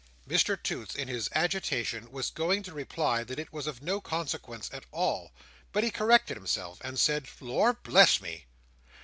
Mr Toots in his agitation was going to reply that it was of no consequence at all. But he corrected himself, and said, "Lor bless me!"